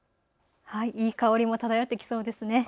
いい香りも漂ってきそうですね。